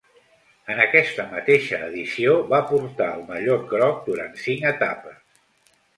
En aquesta mateixa edició va portar el mallot groc durant cinc etapes.